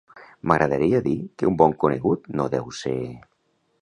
M'agradaria dir que un bon conegut no deu ser….